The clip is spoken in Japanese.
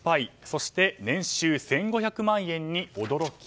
そして年収１５００万円に驚き。